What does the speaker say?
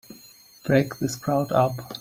Break this crowd up!